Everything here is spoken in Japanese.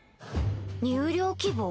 入寮希望？